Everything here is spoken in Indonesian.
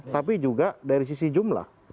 tapi juga dari sisi jumlah